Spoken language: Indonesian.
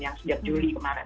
yang sejak juli kemarin